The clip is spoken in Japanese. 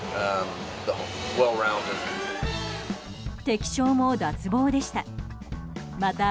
敵将も脱帽でした。